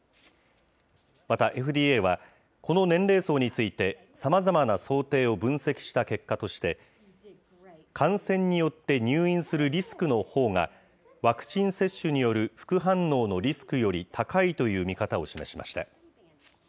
また、ＦＤＡはこの年齢層について、さまざまな想定を分析した結果として、感染によって入院するリスクのほうがワクチン接種による副反応のリスクより高いという見方を示しました。